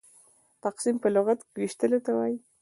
تقسيم په لغت کښي وېشلو ته وايي.